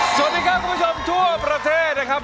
สวัสดีครับคุณผู้ชมทั่วประเทศนะครับ